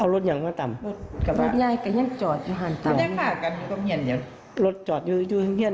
โหที่นี่เอารถมาส้วนหรอให้ใจกันไหนต่อ